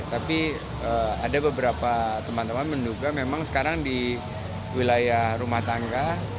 tapi ada beberapa teman teman menduga memang sekarang di wilayah rumah tangga